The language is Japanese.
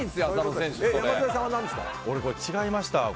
これ、違いました。